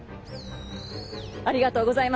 ありがとうございます。